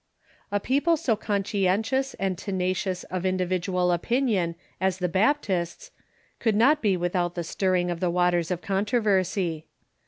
A people so conscientious and tenacious of individual opin ion as the Ba{)tists could not be without the stirring of the „.. waters of controversy.